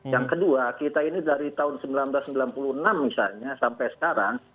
yang kedua kita ini dari tahun seribu sembilan ratus sembilan puluh enam misalnya sampai sekarang